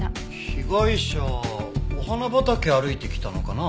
被害者お花畑を歩いてきたのかな？